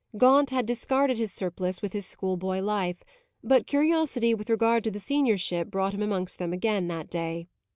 Gaunt had discarded his surplice with his schoolboy life; but curiosity with regard to the seniorship brought him amongst them again that day.